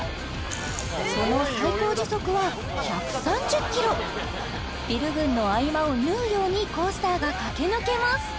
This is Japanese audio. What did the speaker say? その最高時速は１３０ｋｍビル群の合間を縫うようにコースターが駆け抜けます